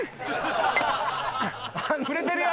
振れてるよ！